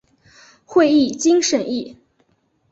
会议经审议